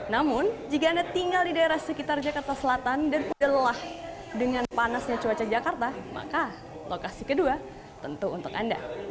namun jika anda tinggal di daerah sekitar jakarta selatan dan lelah dengan panasnya cuaca jakarta maka lokasi kedua tentu untuk anda